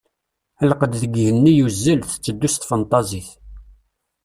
Lqedd deg yigenni yuzzel, tetteddu s tfenṭazit.